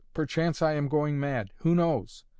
Perchance I am going mad who knows?